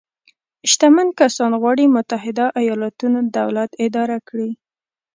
شتمن کسان غواړي متحده ایالتونو دولت اداره کړي.